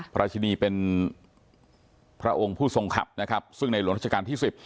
พระราชินีเป็นพระองค์ผู้ทรงขับนะครับซึ่งในหลวงราชการที่สิบ